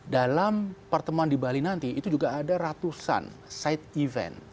dalam pertemuan di bali nanti itu juga ada ratusan side event